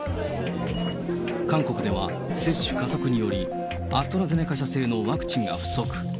韓国では接種加速により、アストラゼネカ社製のワクチンが不足。